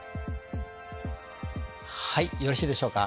はいよろしいでしょうか。